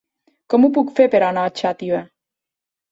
Com ho puc fer per anar a Xàtiva?